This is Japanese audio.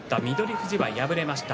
富士は敗れました。